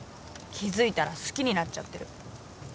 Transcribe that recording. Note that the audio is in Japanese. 気付いたら好きになっちゃってる。